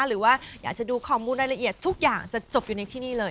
หรือว่าอยากจะดูข้อมูลรายละเอียดทุกอย่างจะจบอยู่ในที่นี่เลย